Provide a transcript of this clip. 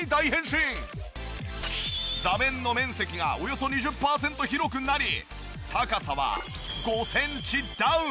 座面の面積がおよそ２０パーセント広くなり高さは５センチダウン。